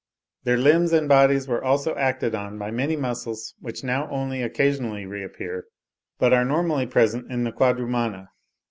Their limbs and bodies were also acted on by many muscles which now only occasionally reappear, but are normally present in the Quadrumana.